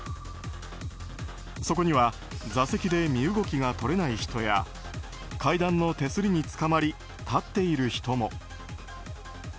そこには座席で身動きが取れない人や階段の手すりにつかまり立っている人も。